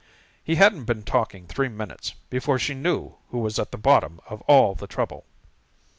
He hadn't been talking three minutes before she knew who was at the bottom of all the trouble.